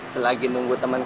selagi nunggu temen kamu lagi